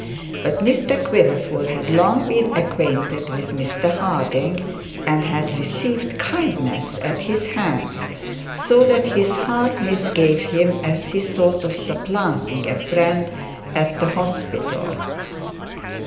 But Mr Quiverful had long been acquainted with Mr Harding, and had received kindness at his hands, so that his heart misgave him as he thought of supplanting a friend at the hospital.